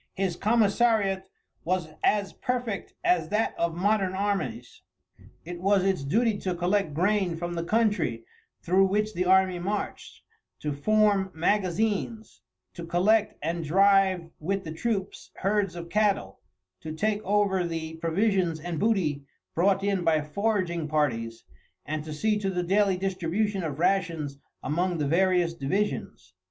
His commissariat was as perfect as that of modern armies. It was its duty to collect grain from the country through which the army marched, to form magazines, to collect and drive with the troops herds of cattle, to take over the provisions and booty brought in by foraging parties, and, to see to the daily distribution of rations among the various divisions.